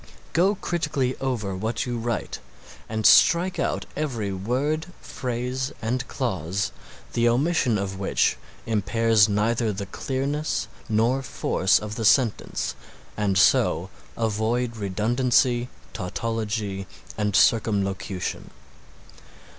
Go critically over what you write and strike out every word, phrase and clause the omission of which impairs neither the clearness nor force of the sentence and so avoid redundancy, tautology and circumlocution.